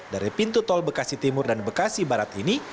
dari pintu tol bekasi timur dan bekasi barat ini